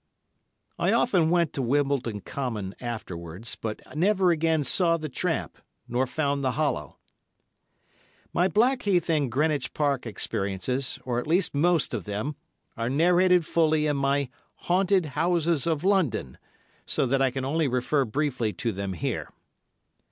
I often went to Wimbledon Common afterwards, but never again saw the tramp, nor found the hollow. My Blackheath and Greenwich Park experiences, or at least most of them, are narrated fully in my "Haunted Houses of London," so that I can only refer briefly to them here.